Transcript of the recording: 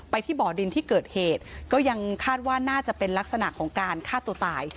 ที่บ่อดินที่เกิดเหตุก็ยังคาดว่าน่าจะเป็นลักษณะของการฆ่าตัวตาย